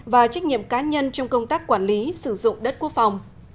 và trách nhiệm cá nhân trong công tác quản lý sử dụng đất quốc phòng